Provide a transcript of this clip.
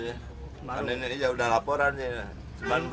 ini sudah laporan sih